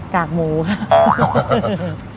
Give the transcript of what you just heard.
กากหมูค่ะ